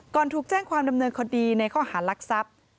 ก่อนถูกแจ้งความดำเนินคดีในข้อหารลักษัพ